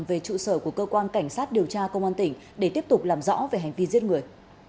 về trụ sở của cơ quan cảnh sát điều tra công an tỉnh để tiếp tục làm rõ về hành vi giết người